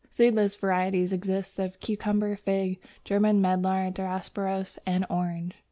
Seedless varieties exist of the Cucumber, Fig, German Medlar, Diospyros, and Orange.